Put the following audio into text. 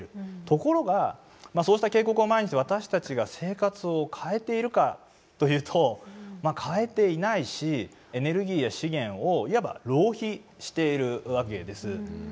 ところがそうした警告を前にして私たちが生活を変えているかというと変えていないしエネルギーや資源をいわば浪費しているわけです。